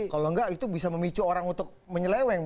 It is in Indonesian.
kalau enggak itu bisa memicu orang untuk menyeleweng